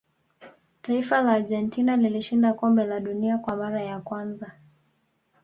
taifa la argentina lilishinda kombe la dunia kwa mara ya kwanza